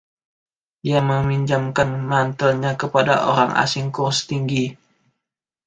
Dia meminjamkan mantelnya kepada orang asing kurus tinggi.